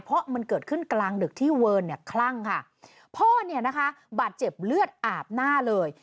เพราะมันเกิดขึ้นกลางดึกที่เวิร์นเนี่ยคลั่งค่ะพ่อเนี่ยนะคะบาดเจ็บเลือดอาบหน้าเลย